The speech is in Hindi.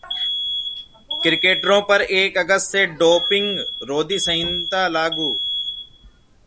क्रिकेटरों पर एक अगस्त से डोपिंग रोधी संहिता लागू